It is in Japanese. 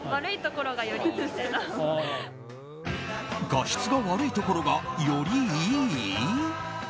画質が悪いところがよりいい？